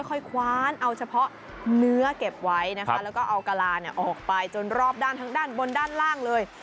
คว้านเอาเฉพาะเนื้อเก็บไว้นะคะแล้วก็เอากะลาออกไปจนรอบด้านทั้งด้านบนด้านล่างเลย